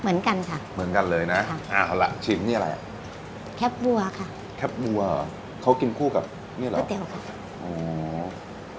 เหมือนกันค่ะเหมือนกันเลยนะเอาละชิมนี่อะไรแคบวัวค่ะแคบวัวเหรอเขากินคู่กับนี่เหรอกระเตียวค่ะ